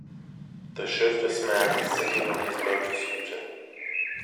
The shirtless man is sitting on his motor scooter.